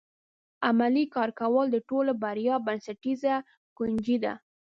عملي کار کول د ټولو بریاوو بنسټیزه کنجي ده.